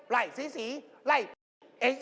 ไล่ศรีศรีไล่เองเอง